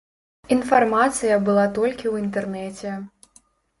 Інфармацыя была толькі ў інтэрнэце.